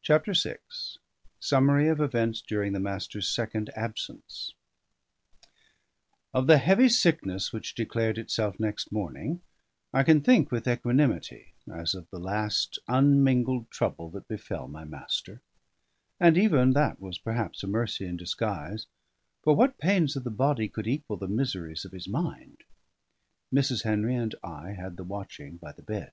CHAPTER VI SUMMARY OF EVENTS DURING THE MASTER'S SECOND ABSENCE Of the heavy sickness which declared itself next morning I can think with equanimity, as of the last unmingled trouble that befell my master; and even that was perhaps a mercy in disguise; for what pains of the body could equal the miseries of his mind? Mrs. Henry and I had the watching by the bed.